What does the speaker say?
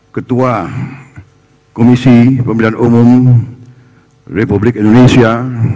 ketua komisi pemilihan umum republik indonesia